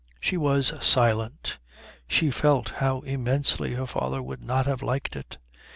She was silent. She felt how immensely her father would not have liked it.